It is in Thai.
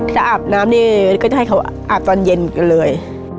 ถ้าอาบน้ำนี่ก็จะให้เขาอาบตอนเย็นกันเลย